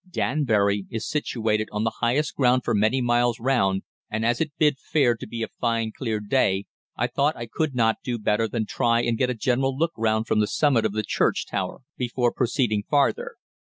Danbury is situated on the highest ground for many miles round, and as it bid fair to be a fine, clear day, I thought I could not do better than try and get a general look round from the summit of the church tower before proceeding farther.